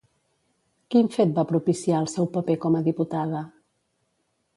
Quin fet va propiciar el seu paper com a diputada?